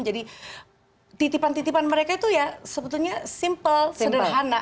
jadi titipan titipan mereka itu ya sebetulnya simpel sederhana